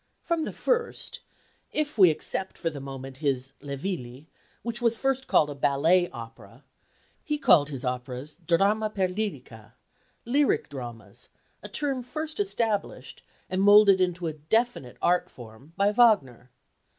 From the first if we except for the moment his Le Villi, which was first called a ballet opera he called his operas Dramma per lyrica lyric dramas, a term first established, and moulded into a definite art form, by Wagner.